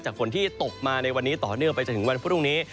ฝนที่ตกมาในวันนี้ต่อเนื่องไปจนถึงวันพรุ่งนี้